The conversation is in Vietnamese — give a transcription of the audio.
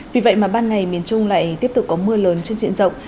vì vậy mà ban ngày miền trung lại tiếp tục có mưa lớn trên diện rộng